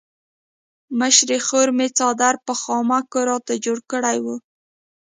مشرې خور مې څادر په خامکو راته جوړ کړی وو.